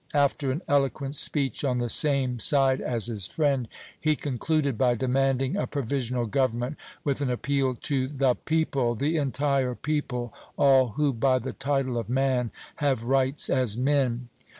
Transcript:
After an eloquent speech on the same side as his friend, he concluded by demanding a provisional government, with an appeal to "the people the entire people all who by the title of man have rights as men."